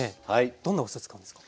どんなお酢使うんですか？